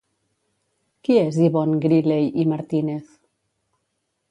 Qui és Yvonne Griley i Martínez?